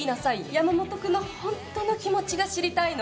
山本君の本当の気持ちが知りたいの。